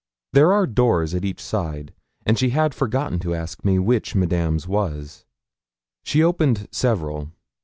There are doors at each side, and she had forgotten to ask me at which Madame's was. She opened several.